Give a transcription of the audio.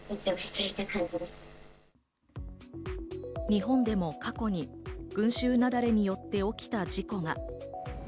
日本でも過去に群集雪崩によって起きた事故が。